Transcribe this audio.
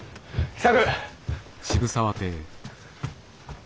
喜作！